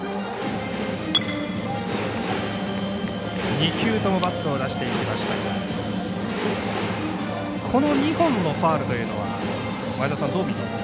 ２球ともバットを出していきましたがこの２本のファウルというのはどう見ますか？